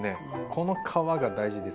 この皮が大事ですね。